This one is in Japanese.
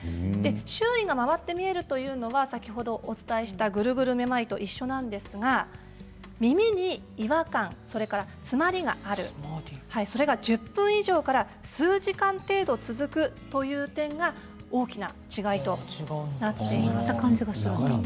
周囲が回って見えるというのは先ほどお伝えしたグルグルめまいと一緒なんですが耳に違和感、それから詰まりがあるそれが１０分以上から数時間程度続くという点が大きな違いとなっています。